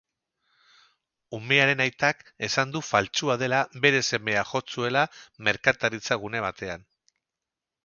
Umearen aitak esan du faltsua dela bere semea jo zuela merkataritza-gune batean.